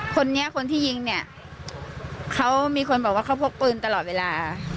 คนนี้คนที่ยิงเนี่ยเขามีคนบอกว่าเขาพกปืนตลอดเวลา